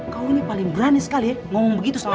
kau ini paling berani sekali ya ngomong begitu selama ini